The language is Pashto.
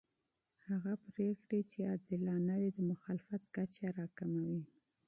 هغه پرېکړې چې عادلانه وي د مخالفت کچه راکموي